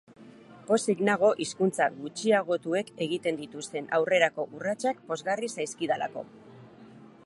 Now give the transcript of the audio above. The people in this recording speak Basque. Pozik nago hizkuntza gutxiagotuek egiten dituzten aurrerako urratsak pozgarri zaizkidalako.